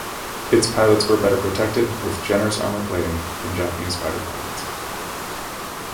Its pilots were better protected, with generous armour plating, than Japanese fighter pilots.